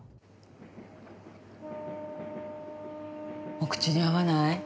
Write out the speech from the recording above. お口に合わない？